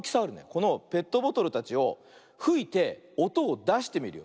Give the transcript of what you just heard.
このペットボトルたちをふいておとをだしてみるよ。